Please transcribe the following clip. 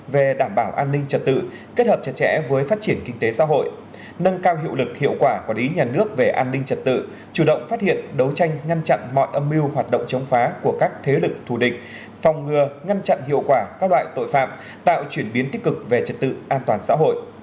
về đảm bảo an ninh trật tự kết hợp chặt chẽ với phát triển kinh tế xã hội nâng cao hiệu lực hiệu quả quản lý nhà nước về an ninh trật tự chủ động phát hiện đấu tranh ngăn chặn mọi âm mưu hoạt động chống phá của các thế lực thù địch phòng ngừa ngăn chặn hiệu quả các loại tội phạm tạo chuyển biến tích cực về trật tự an toàn xã hội